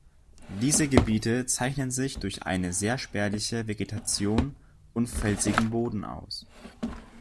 Diese Gebiete zeichnen sich durch eine sehr spärliche Vegetation und felsigen Boden aus.